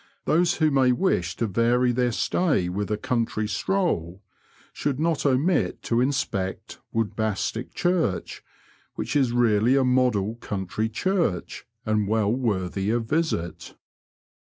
Those who may wish to vary their stay with a country stroll should not omit to inspect Wood bastwick Church, which is really a model country church, and well worthy a visit.